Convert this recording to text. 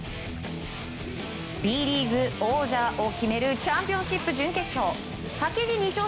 Ｂリーグ王者を決めるチャンピオンシップ準決勝。